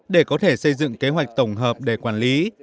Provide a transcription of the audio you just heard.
để có thể xây dựng kế hoạch tổng hợp để quản lý